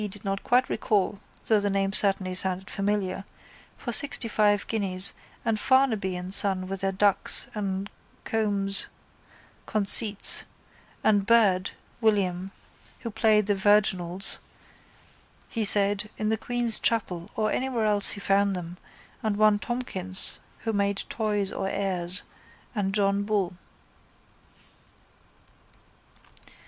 did not quite recall though the name certainly sounded familiar, for sixtyfive guineas and Farnaby and son with their dux and comes conceits and Byrd (William) who played the virginals, he said, in the Queen's chapel or anywhere else he found them and one Tomkins who made toys or airs and John Bull.